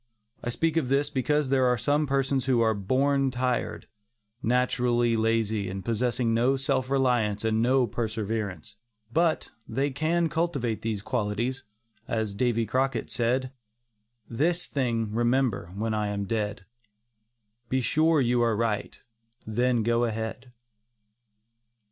I speak of this because there are some persons who are "born tired"; naturally lazy and possessing no self reliance and no perseverance. But, they can cultivate these qualities, as Davy Crockett said: "This thing remember, when I am dead, Be sure you are right, then go ahead."